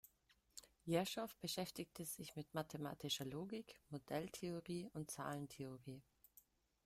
Jerschow beschäftigte sich mit mathematischer Logik, Modelltheorie und Zahlentheorie.